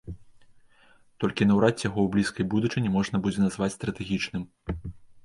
Толькі наўрад ці яго ў блізкай будучыні можна будзе назваць стратэгічным.